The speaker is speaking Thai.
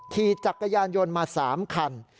ขี่จักรยานยนต์มา๓คัน